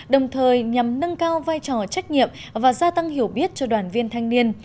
đồng thời nhằm nâng cao vai trò trách nhiệm và gia tăng hiểu biết cho đoàn viên thanh niên